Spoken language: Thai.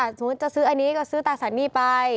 สมมุติจะซื้ออันนี้ก็ซื้อตาสันนี่ไป